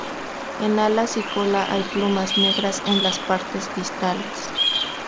En alas y cola hay plumas negras en las partes distales.